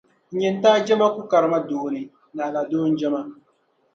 N nyintaa je ma ku kari ma doo ni naɣila doo n-je ma.